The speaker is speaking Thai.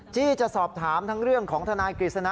จี้จะสอบถามทั้งเรื่องของทนายกฤษณะ